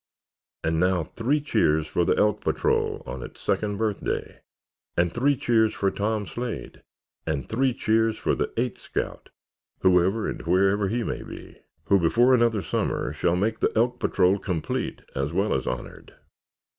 And now three cheers for the Elk Patrol on its second birthday, and three cheers for Tom Slade, and three cheers for the eighth scout—whoever and wherever he may be—who before another summer shall make the Elk Patrol complete as well as honored!"